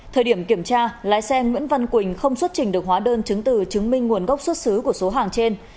thời điểm kiểm tra lái xe nguyễn văn quỳnh không xuất trình được hóa đơn chứng từ chứng minh nguồn gốc xuất xứ của số hàng trên